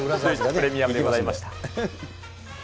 プレミアムでございました。